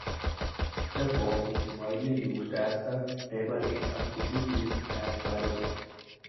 The form is widely used as a table in such disciplines as biology.